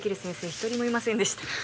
一人もいませんでした